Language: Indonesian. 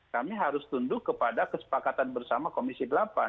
kami harus tunduk kepada kesepakatan bersama komisi delapan